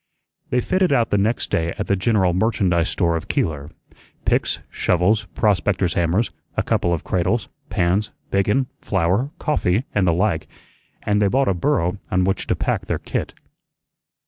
They fitted out the next day at the general merchandise store of Keeler picks, shovels, prospectors' hammers, a couple of cradles, pans, bacon, flour, coffee, and the like, and they bought a burro on which to pack their kit.